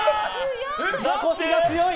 ザコシが強い！